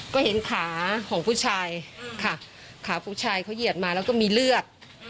ก็เห็นขาของผู้ชายค่ะขาผู้ชายเขาเหยียดมาแล้วก็มีเลือด